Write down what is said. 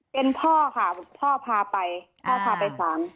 เป็นพ่อค่ะพ่อพาไปพ่อพาไปสาร